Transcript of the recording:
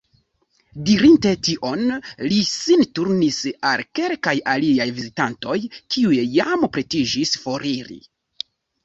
Dirinte tion, li sin turnis al kelkaj aliaj vizitantoj, kiuj jam pretiĝis foriri.